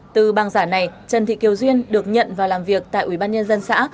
từ bằng giả này trần thị kiều duyên được nhận vào làm việc tại ubnd dân xã